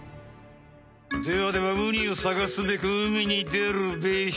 ではではウニをさがすべく海にでるべし。